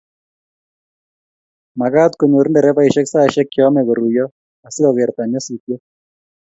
magaat konyor nderefaishek saishek cheyome koruiyo asigogerta nyasusiet